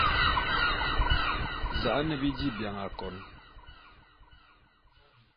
Za'an bi dí bian akôn.